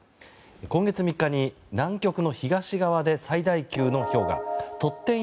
今月３日に南極の東側で最大級の氷河トッテン